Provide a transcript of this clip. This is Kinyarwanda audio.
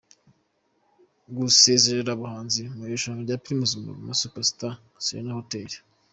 Gusezerera abahanzi mu irushanwa rya Primus Guma Guma muri Serena Hotel.